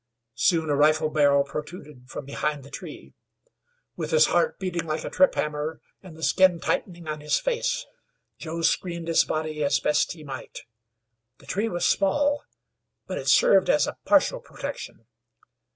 Soon a rifle barrel protruded from behind the tree. With his heart beating like a trip hammer, and the skin tightening on his face, Joe screened his body as best he might. The tree was small, but it served as a partial protection.